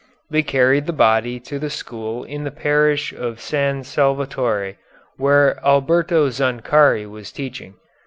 They carried the body to the school in the Parish of San Salvatore, where Alberto Zancari was teaching.